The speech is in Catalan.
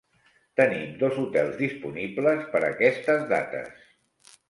Tenim dos hotels disponibles per aquestes dates.